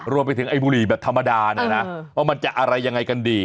รวมไปถึงบุหรี่แบบธรรมดาว่ามันจะอะไรยังไงกันดี